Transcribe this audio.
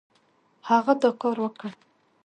هغه دا کار وکړ.